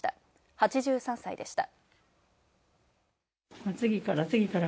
８３歳でした。